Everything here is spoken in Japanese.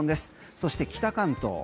そして北関東。